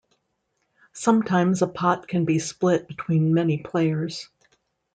Sometimes a pot can be split between many players.